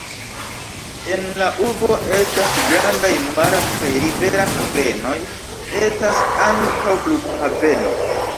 En la urbo estas grandaj mara kaj rivera havenoj; estas ankaŭ flughaveno.